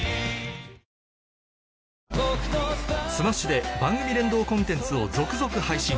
ｓｍａｓｈ．で番組連動コンテンツを続々配信